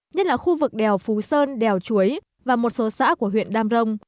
nhất là khu vực đèo phú sơn đèo chuối và một số xã của huyện đam rồng